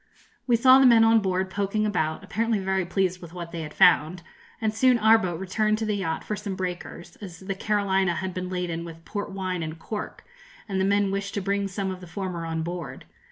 We saw the men on board poking about, apparently very pleased with what they had found; and soon our boat returned to the yacht for some breakers, as the 'Carolina' had been laden with port wine and cork, and the men wished to bring some of the former on board.